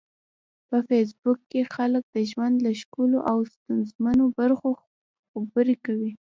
په فېسبوک کې خلک د ژوند له ښکلو او ستونزمنو برخو خبرې کوي